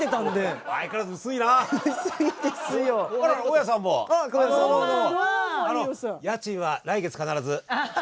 家賃は来月必ず。